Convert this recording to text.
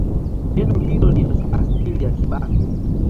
Neno hilo lina asili ya Kibantu.